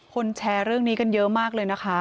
แชร์เรื่องนี้กันเยอะมากเลยนะคะ